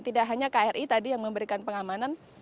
tidak hanya kri tadi yang memberikan pengamanan